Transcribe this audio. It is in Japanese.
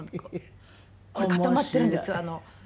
これ固まってるんですよ。